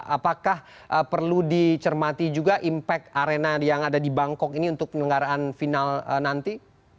apakah perlu dicermati juga impact arena yang ada di bangkok ini untuk penyelenggaraan final nanti